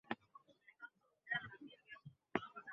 তিনি চন্দ্রকুমার আগরয়ালা ও হেমচন্দ্র গোস্বামীর সহিত পরিচয় হন।